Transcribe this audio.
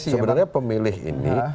sebenarnya pemilih ini